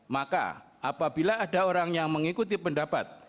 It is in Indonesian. maka apabila ada orang yang mengikuti pendapat